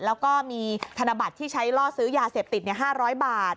แล้วก็มีธนบัตรที่ใช้ล่อซื้อยาเสพติด๕๐๐บาท